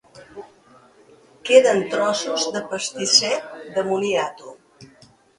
Queden trossos de pastisset de moniato.